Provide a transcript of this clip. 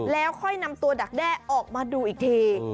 แล้วค่อยนำตัวดักแด้ออกมาดูอีกที